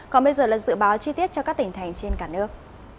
còn bây giờ là dự báo chi tiết cho các tỉnh thành trên cả nước